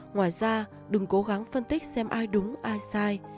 ngoài ra đừng cố gắng phân tích xem ai đúng và ai không